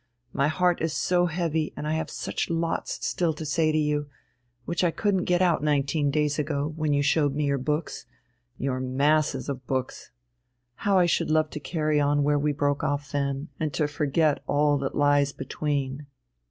My heart is so heavy, and I have such lots still to say to you, which I couldn't get out nineteen days ago, when you showed me your books ... your masses of books. How I should love to carry on where we broke off then, and to forget all that lies in between...."